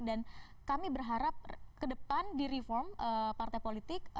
dan kami berharap ke depan di reform partai politik